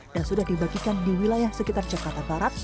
dan sudah dibagikan di wilayah sekitar jakarta barat